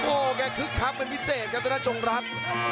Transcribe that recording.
โอ้มันอะครับมันพิเศษครับในหน้าจงรับ